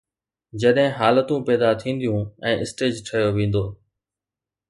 جڏهن حالتون پيدا ٿينديون ۽ اسٽيج ٺهيو ويندو.